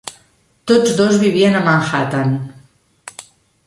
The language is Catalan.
Tots dos vivien a Manhattan.